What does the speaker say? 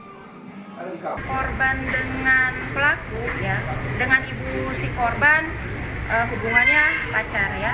korban dengan pelaku dengan ibu si korban hubungannya lancar ya